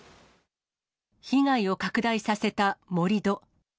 被害を拡大させた盛り土。